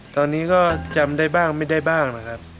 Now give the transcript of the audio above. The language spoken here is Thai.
ตอนนี้ก็จำได้บ้างไม่ได้บ้างนะครับ